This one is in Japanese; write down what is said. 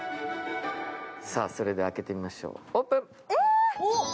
それでは開けてみましょう、オープン。